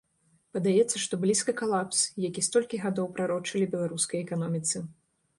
Падаецца, што блізка калапс, які столькі гадоў прарочылі беларускай эканоміцы.